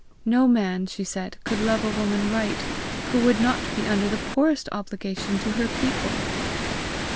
No man, she said, could love a woman right, who would not be under the poorest obligation to her people!